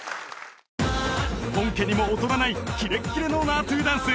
本家にも劣らないキレッキレのナートゥダンス